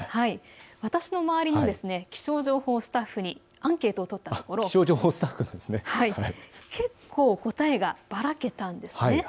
周りの気象情報スタッフにアンケートをとったところ結構、答えがばらけたんです。